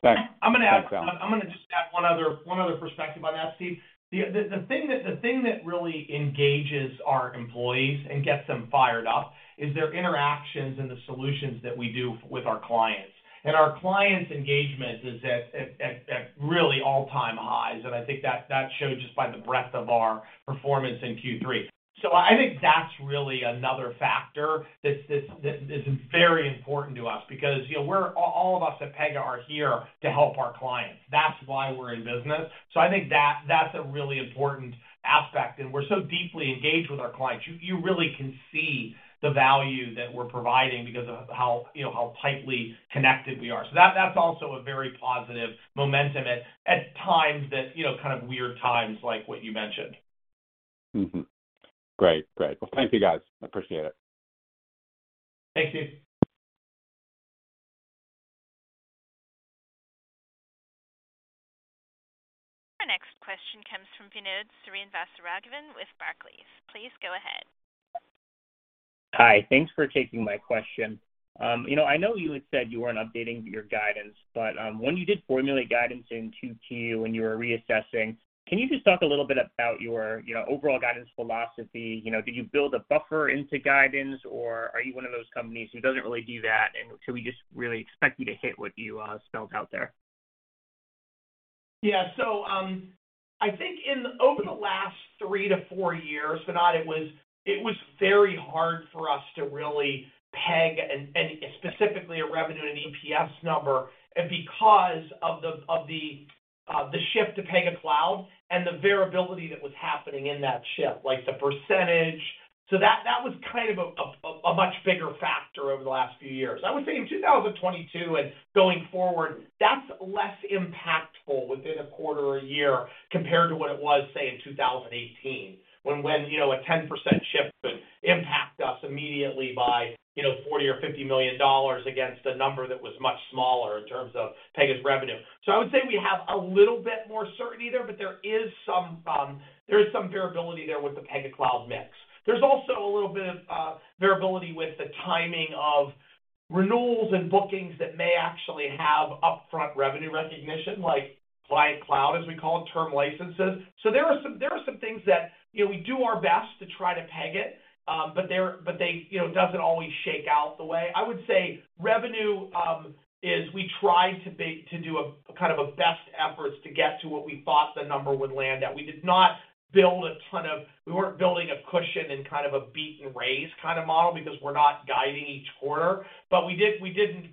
Thanks. I'm gonna just add one other perspective on that, Steve. The thing that really engages our employees and gets them fired up is their interactions and the solutions that we do with our clients. Our clients' engagement is at really all-time highs, and I think that showed just by the breadth of our performance in Q3. I think that's really another factor that is very important to us because, you know, we're all of us at Pega are here to help our clients. That's why we're in business. I think that's a really important aspect, and we're so deeply engaged with our clients. You really can see the value that we're providing because of how, you know, how tightly connected we are. That's also a very positive momentum at times that, you know, kind of weird times like what you mentioned. Great. Well, thank you guys. I appreciate it. Thanks, Steve. Our next question comes from Raimo Lenschow with Barclays. Please go ahead. Hi. Thanks for taking my question. You know, I know you had said you weren't updating your guidance, but when you did formulate guidance in Q2 when you were reassessing, can you just talk a little bit about your, you know, overall guidance philosophy? You know, do you build a buffer into guidance, or are you one of those companies who doesn't really do that? Should we just really expect you to hit what you spelled out there? I think over the last three to four years, Vinod, it was very hard for us to really peg an specifically a revenue and EPS number because of the shift to Pega Cloud and the variability that was happening in that shift, like the percentage. That was kind of a much bigger factor over the last few years. I would say in 2022 and going forward, that's less impactful within a quarter or year compared to what it was, say, in 2018 when you know, a 10% shift could impact us immediately by you know, $40 million or $50 million against a number that was much smaller in terms of Pega's revenue. I would say we have a little bit more certainty there, but there is some variability there with the Pega Cloud mix. There's also a little bit of variability with the timing of renewals and bookings that may actually have upfront revenue recognition like Pega Cloud, as we call it, term licenses. There are some things that, you know, we do our best to try to peg it, but they, you know, doesn't always shake out the way. I would say revenue is we try to do a kind of best efforts to get to what we thought the number would land at. We weren't building a cushion in kind of a beat and raise kind of model because we're not guiding each quarter. We didn't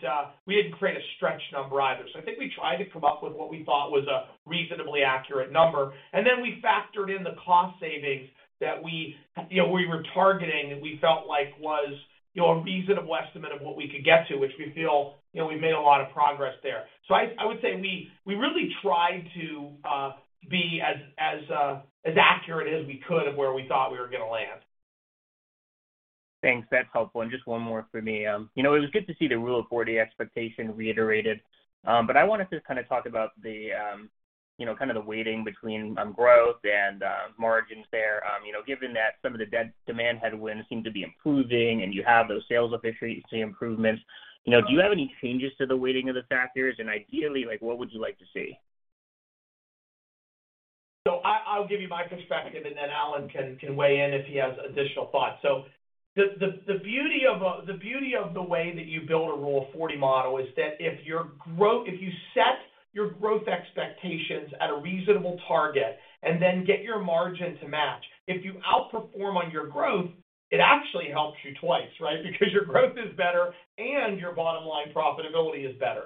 create a stretch number either. I think we tried to come up with what we thought was a reasonably accurate number, and then we factored in the cost savings that we, you know, we were targeting and we felt like was, you know, a reasonable estimate of what we could get to, which we feel, you know, we made a lot of progress there. I would say we really tried to be as accurate as we could of where we thought we were gonna land. Thanks. That's helpful. Just one more for me. You know, it was good to see the Rule of 40 expectation reiterated. I want to just kind of talk about the, you know, kind of the weighting between growth and margins there. You know, given that some of the demand headwinds seem to be improving and you have those sales efficiency improvements, you know, do you have any changes to the weighting of the factors? Ideally, like, what would you like to see? I'll give you my perspective, and then Alan can weigh in if he has additional thoughts. The beauty of the way that you build a Rule of 40 model is that if you set your growth expectations at a reasonable target and then get your margin to match, if you outperform on your growth, it actually helps you twice, right? Because your growth is better and your bottom line profitability is better.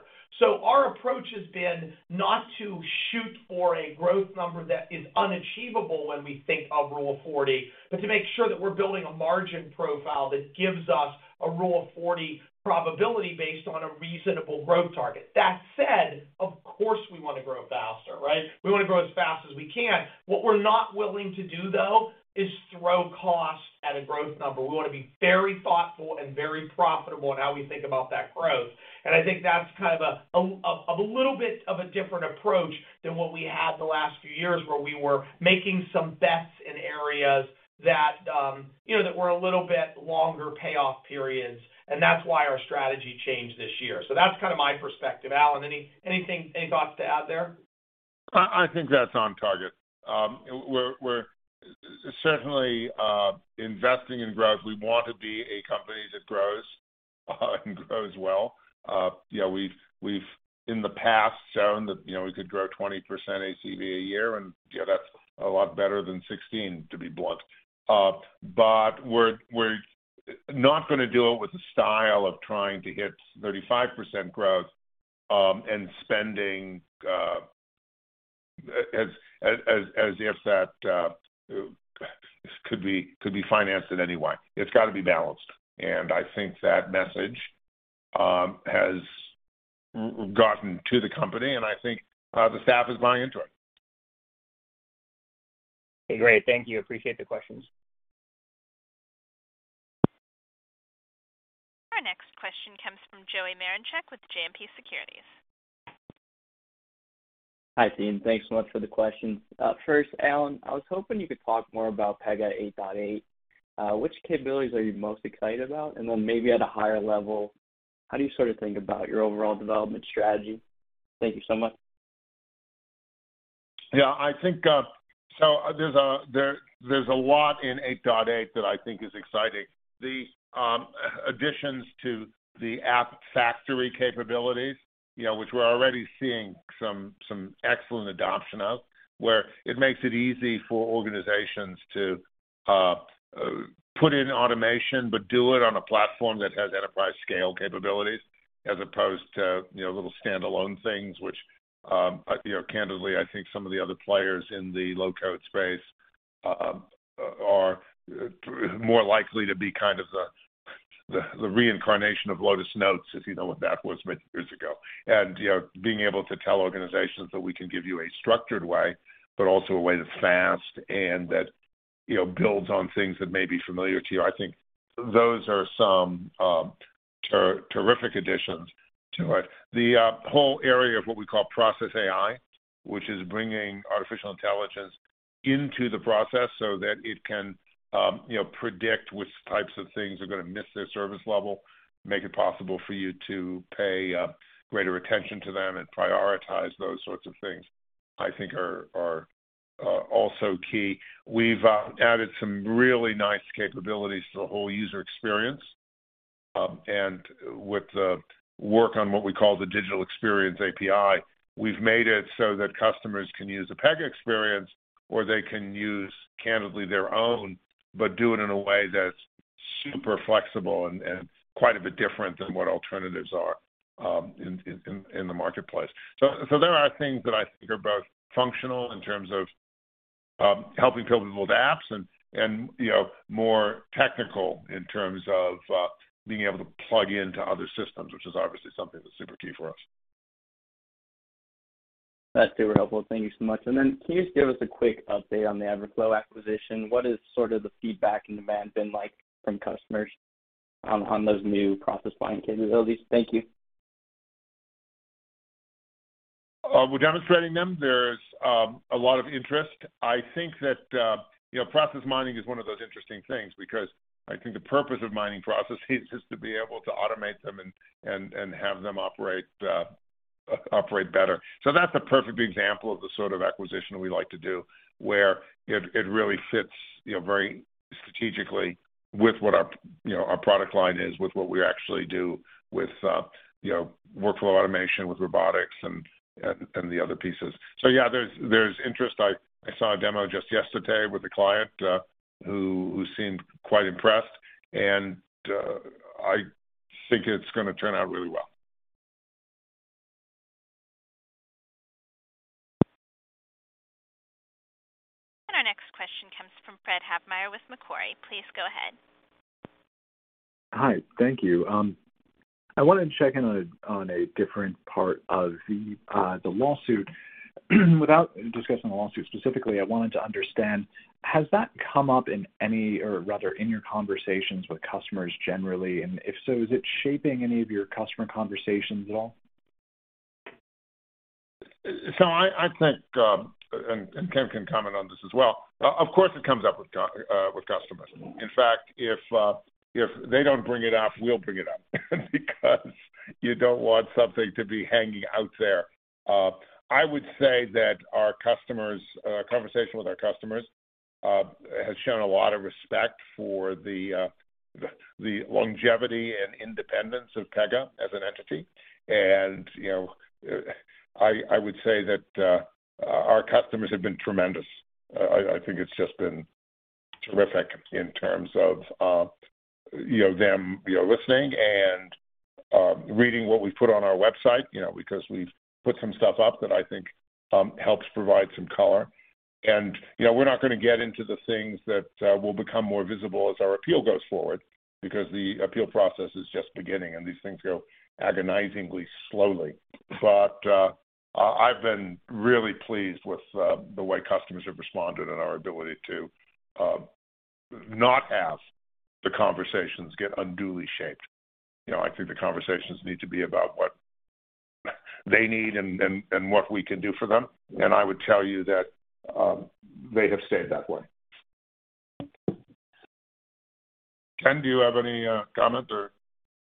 Our approach has been not to shoot for a growth number that is unachievable when we think of Rule of 40, but to make sure that we're building a margin profile that gives us a Rule of 40 probability based on a reasonable growth target. That said, of course, we want to grow faster, right? We want to grow as fast as we can. What we're not willing to do, though, is throw cost at a growth number. We want to be very thoughtful and very profitable in how we think about that growth. I think that's kind of a little bit of a different approach than what we had the last few years where we were making some bets in areas that, you know, that were a little bit longer payoff periods, and that's why our strategy changed this year. That's kind of my perspective. Alan, anything thoughts to add there? I think that's on target. We're certainly investing in growth. We want to be a company that grows and grows well. You know, we've in the past shown that, you know, we could grow 20% ACV a year, and, you know, that's a lot better than 16, to be blunt. But we're not gonna do it with the style of trying to hit 35% growth, and spending as if that could be financed in any way. It's got to be balanced. I think that message has gotten to the company, and I think the staff is buying into it. Great. Thank you. Appreciate the questions. Our next question comes from Joey Marincek with JMP Securities. Hi, team. Thanks so much for the questions. First, Alan, I was hoping you could talk more about Pega 8.8. Which capabilities are you most excited about? And then maybe at a higher level, how do you sort of think about your overall development strategy? Thank you so much. Yeah. I think there's a lot inPega 8.8 that I think is exciting. The additions to the App Factory capabilities, you know, which we're already seeing some excellent adoption of, where it makes it easy for organizations to put in automation but do it on a platform that has enterprise scale capabilities as opposed to, you know, little standalone things which, you know, candidly, I think some of the other players in the low-code space are more likely to be kind of the reincarnation of Lotus Notes, if you know what that was many years ago. You know, being able to tell organizations that we can give you a structured way, but also a way that's fast and that, you know, builds on things that may be familiar to you. I think those are some terrific additions to it. The whole area of what we call Process AI, which is bringing artificial intelligence into the process so that it can, you know, predict which types of things are gonna miss their service level, make it possible for you to pay greater attention to them and prioritize those sorts of things, I think are also key. We've added some really nice capabilities to the whole user experience. With the work on what we call the Digital Experience API, we've made it so that customers can use the Pega experience or they can use, candidly, their own, but do it in a way that's super flexible and quite a bit different than what alternatives are in the marketplace. there are things that I think are both functional in terms of, helping people build apps and, you know, more technical in terms of, being able to plug into other systems, which is obviously something that's super key for us. That's super helpful. Thank you so much. Can you just give us a quick update on the Everflow acquisition? What is sort of the feedback and demand been like from customers on those new process mining capabilities? Thank you. We're demonstrating them. There's a lot of interest. I think that you know, process mining is one of those interesting things because I think the purpose of mining processes is to be able to automate them and have them operate better. That's a perfect example of the sort of acquisition we like to do, where it really fits you know, very strategically with what our you know, our product line is, with what we actually do with you know, workflow automation, with robotics and the other pieces. Yeah, there's interest. I saw a demo just yesterday with a client who seemed quite impressed, and I think it's gonna turn out really well. Our next question comes from Fred Havemeyer with Macquarie. Please go ahead. Hi, thank you. I wanted to check in on a different part of the lawsuit. Without discussing the lawsuit specifically, I wanted to understand, has that come up in any or rather in your conversations with customers generally? If so, is it shaping any of your customer conversations at all? I think Ken can comment on this as well. Of course it comes up with customers. In fact, if they don't bring it up, we'll bring it up because you don't want something to be hanging out there. I would say that our conversations with our customers has shown a lot of respect for the longevity and independence of Pega as an entity. You know, I would say that our customers have been tremendous. I think it's just been terrific in terms of, you know, them, you know, listening and reading what we've put on our website, you know, because we've put some stuff up that I think helps provide some color. You know, we're not gonna get into the things that will become more visible as our appeal goes forward, because the appeal process is just beginning, and these things go agonizingly slowly. I've been really pleased with the way customers have responded and our ability to not have the conversations get unduly shaped. You know, I think the conversations need to be about what they need and what we can do for them, and I would tell you that they have stayed that way. Ken, do you have any comment or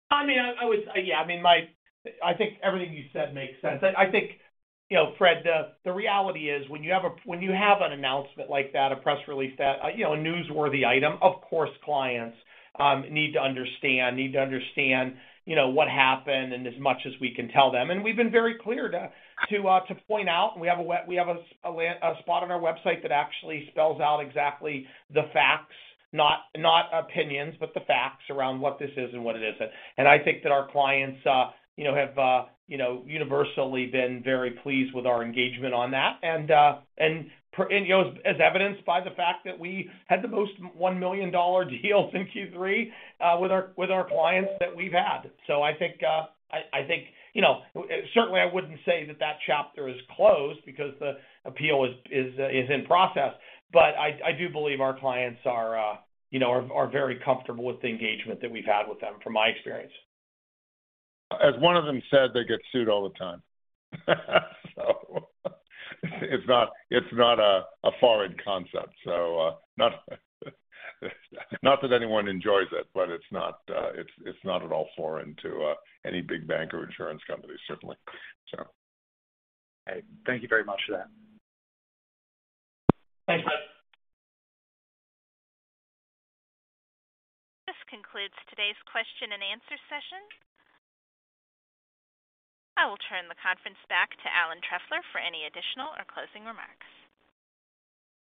I mean, I would say, yeah, I mean, I think everything you said makes sense. I think, you know, Fred, the reality is when you have an announcement like that, a press release that, you know, a newsworthy item, of course, clients need to understand, you know, what happened and as much as we can tell them. We've been very clear to point out, and we have a spot on our website that actually spells out exactly the facts, not opinions, but the facts around what this is and what it isn't. I think that our clients, you know, have universally been very pleased with our engagement on that. You know, as evidenced by the fact that we had the most $1 million deals in Q3 with our clients that we've had. I think, you know, certainly I wouldn't say that chapter is closed because the appeal is in process. I do believe our clients are, you know, very comfortable with the engagement that we've had with them, from my experience. As one of them said, they get sued all the time. It's not a foreign concept, not that anyone enjoys it, but it's not at all foreign to any big bank or insurance company, certainly. Thank you very much for that. Thanks, Fred. This concludes today's question and answer session. I will turn the conference back to Alan Trefler for any additional or closing remarks.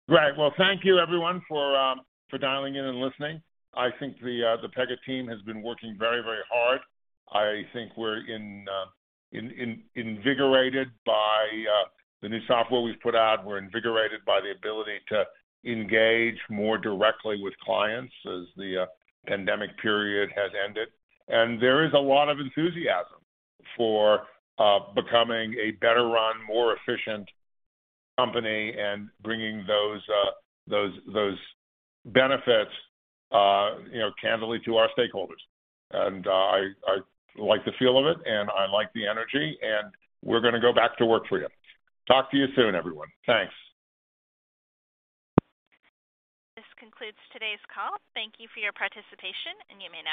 Great. Well, thank you everyone for dialing in and listening. I think the Pega team has been working very, very hard. I think we're invigorated by the new software we've put out. We're invigorated by the ability to engage more directly with clients as the pandemic period has ended. There is a lot of enthusiasm for becoming a better run, more efficient company and bringing those benefits, you know, candidly to our stakeholders. I like the feel of it, and I like the energy, and we're gonna go back to work for you. Talk to you soon, everyone. Thanks. This concludes today's call. Thank you for your participation, and you may now disconnect.